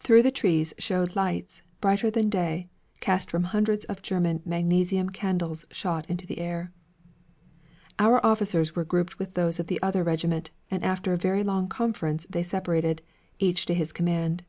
Through the trees showed lights, brighter than day, cast from hundreds of German magnesium candles shot into the air. Our officers were grouped with those of the other regiment, and after a very long conference they separated, each to his command.